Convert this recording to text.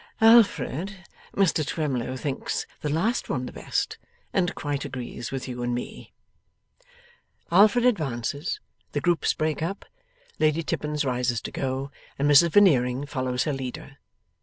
Alfred, Mr Twemlow thinks the last one the best, and quite agrees with you and me.' Alfred advances. The groups break up. Lady Tippins rises to go, and Mrs Veneering follows her leader.